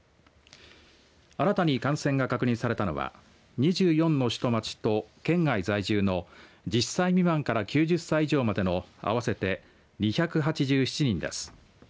新たに感染が確認されたのは２４の市と町と県外在住の１０歳未満から９０歳以上までの合わせて２８７人です。